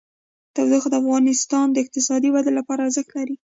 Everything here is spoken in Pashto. تودوخه د افغانستان د اقتصادي ودې لپاره ارزښت لري.